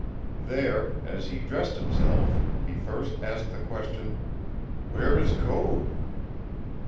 There, as he dressed himself, he first asked the question, "Where is Code?"